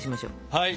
はい。